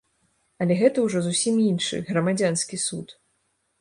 Але гэта ўжо зусім іншы, грамадзянскі суд.